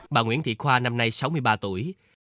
bà nguyễn thị khoa năm nay sáu mươi ba tuổi